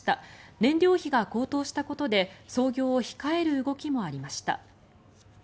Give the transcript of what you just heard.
燃料費が高騰したことで操業を控える動きもありました。